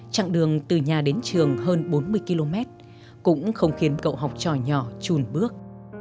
trạng đường từ nhà đến trường hơn bốn mươi km cũng không khiến cậu học trò nhỏ trùn bước